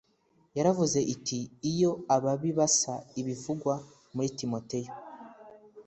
yaravuze iti iyo ababi basa ibivugwa muri timoteyo